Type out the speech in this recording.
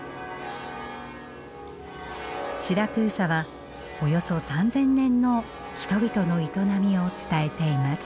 シラクーサはおよそ３，０００年の人々の営みを伝えています。